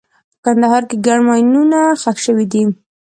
په کندهار کې ګڼ ماینونه ښخ شوي دي.